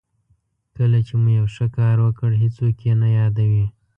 کله چې مو یو ښه کار وکړ هېڅوک یې نه یادوي.